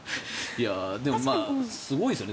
でも、すごいですよね。